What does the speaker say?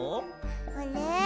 あれ？